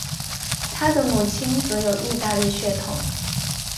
他的母亲则有意大利血统。